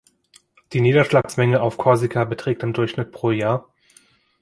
Die Niederschlagsmenge auf Korsika beträgt im Durchschnitt pro Jahr.